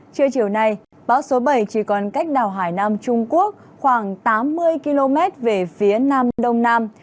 trưa chiều nay bão số bảy chỉ còn cách đảo hải nam trung quốc khoảng tám mươi km về phía nam đông nam